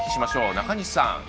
中西さん。